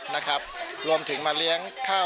รวมถึงมาเลี้ยงข้าว